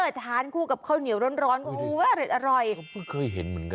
ชานคู่กับข้าวเหนียวร้อนอร็ดอร่อย